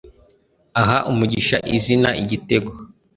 aha umugisha izina 'Igitego